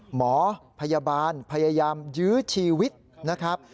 หมอพยาบาลพยายามยื้อชีวิตนะครับ